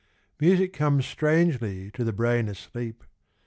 Music comes Strangely to the brain asleep!